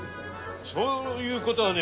そういうことはね